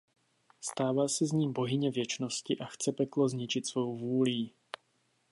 Stává se z ní Bohyně věčnosti a chce peklo zničit svou vůlí.